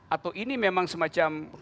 atau ini memang semacam